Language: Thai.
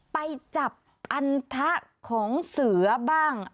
ไปจับอันทะของเสือบ้าง